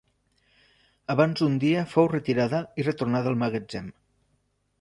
Abans d'un dia fou retirada i retornada al magatzem.